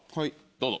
どうぞ。